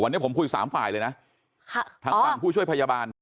วันนี้ผมคุยสามฝ่ายเลยนะค่ะทางฝั่งผู้ช่วยพยาบาล